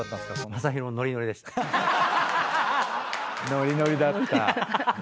ノリノリだった。